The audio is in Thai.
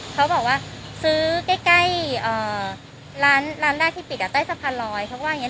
เขาบอกว่าซื้อใกล้ร้านร้านแรกที่ปิดอ่ะใต้สักพันร้อยเพราะว่าอย่างเงี้ย